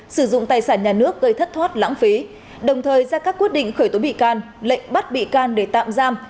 sử dụng tài sản nhà nước gây thất thoát lãng phí đồng thời ra các quyết định khởi tố bị can lệnh bắt bị can để tạm giam